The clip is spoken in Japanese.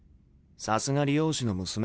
さすが理容師の娘。